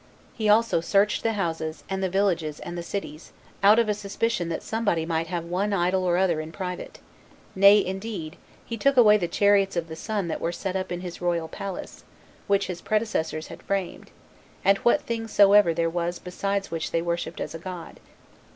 He also searched the houses, and the villages, and the cities, out of a suspicion that somebody might have one idol or other in private; nay, indeed, he took away the chariots [of the sun] that were set up in his royal palace, 7 which his predecessors had framed, and what thing soever there was besides which they worshipped as a god.